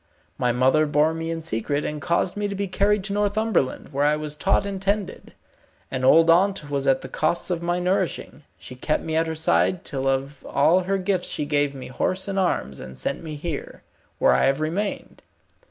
My mother bore me in secret, and caused me to be carried to Northumberland, where I was taught and tended. An old aunt was at the costs of my nourishing. She kept me at her side, till of all her gifts she gave me horse and arms, and sent me here, where I have remained.